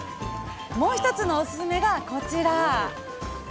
もう一つのおススメがこちら！